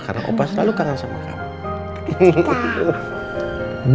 karena opa selalu kangen sama kamu